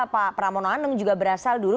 pak pramono anung juga berasal dulu